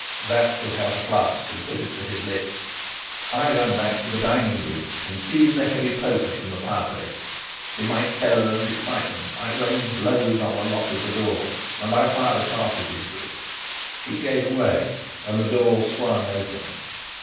Sapt took out a flask and put it to his lips. I ran back to the dining room, and seized a heavy poker from the fireplace. In my terror and excitement I rained blows on the lock of the door, and I fired a cartridge into it. It gave way, and the door swung open.